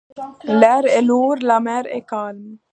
L’air est lourd, la mer est calme.